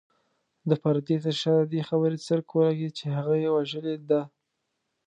د پردې تر شا د دې خبرې څرک ولګېد چې هغه يې وژلې ده.